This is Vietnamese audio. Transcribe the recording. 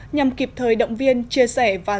nhằm kịp thời động viên chia sẻ với các bạn